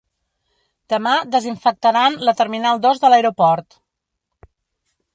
Demà desinfectaran la terminal dos de l’aeroport.